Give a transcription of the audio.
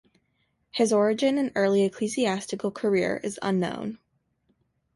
His origin and early ecclesiastical career is unknown.